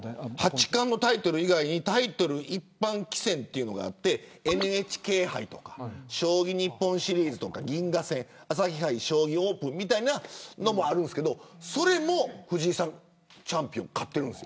八冠のタイトル以外に一般棋戦というのがあってＮＨＫ杯とか将棋日本シリーズとか銀河戦、朝日杯将棋オープンみたいなものもあるんですけどそれも藤井さん、チャンピオン勝ってるんです。